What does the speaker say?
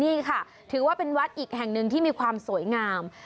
นี่ค่ะถือว่าเป็นวัดอีกแห่งหนึ่งที่มีความสวยงาม